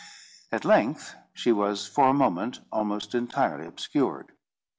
At length she was for a moment almost entirely obscured.